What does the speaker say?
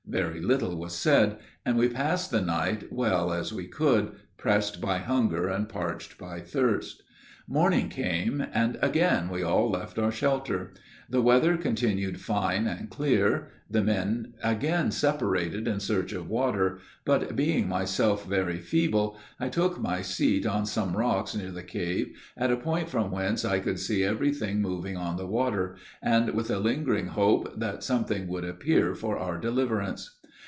Very little was said, and we passed the night well as we could, pressed by hunger and parched by thirst. Morning came, and again we all left our shelter. The weather continued fine and clear. The men again separated in search of water, but being myself very feeble, I took my seat on some rocks near the cave, at a point from whence I could see every thing moving on the water, and with a lingering hope that something would appear for our deliverance.